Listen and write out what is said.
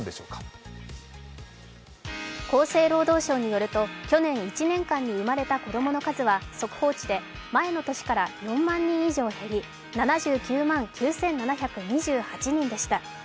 厚生労働省によると去年１年間に生まれた子供の数は速報値で前の年から４万人以上減り７９万９７２８人でした。